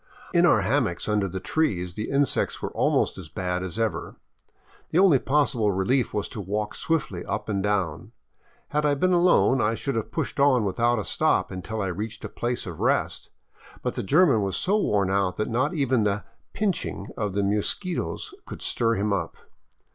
In our hammocks under the trees the insects were almost as bad as ever. The only possible relief was to walk swiftly up and down. Had I been alone, I should have pushed on without a stop until I reached a place of rest, but the German was so worn out that not even the " pinching " of the mosquitos could stir him up.